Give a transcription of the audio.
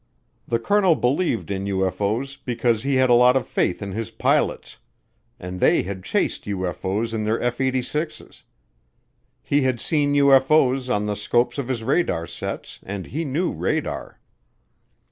The colonel believed in UFO's because he had a lot of faith in his pilots and they had chased UFO's in their F 86's. He had seen UFO's on the scopes of his radar sets, and he knew radar.